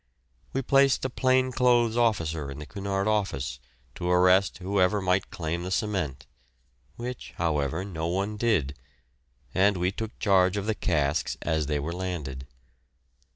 We placed a plain clothes officer in the Cunard office to arrest whoever might claim the cement, which, however, no one did, and we took charge of the casks as they were landed.